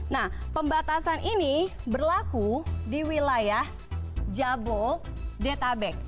nah pembatasan ini berlaku di wilayah jabodetabek